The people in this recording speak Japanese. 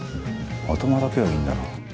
頭だけはいいんだな。